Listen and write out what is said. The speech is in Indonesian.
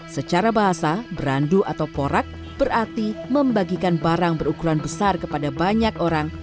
secara bahasa berandu atau porak berarti membagikan barang berukuran besar kepada banyak orang